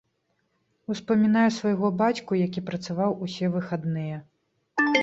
Успамінаю свайго бацьку, які працаваў усе выхадныя.